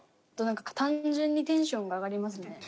あと、なんか、単純にテンションが上がりますね。